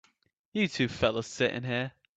You two fellas sit in here.